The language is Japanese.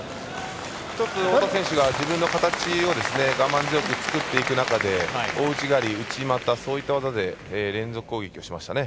１つ太田選手が自分の形を我慢強く作っていく中で大内刈り、内股そういった技で連続攻撃をしましたね。